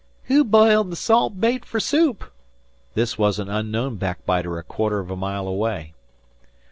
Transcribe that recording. "Who biled the salt bait fer soup?" This was an unknown backbiter a quarter of a mile away.